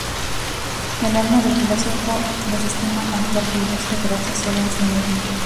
El alma del filósofo desestima al cuerpo y busca quedarse sola en sí misma.